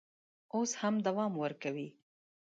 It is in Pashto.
اوس هم دوام ورکوي.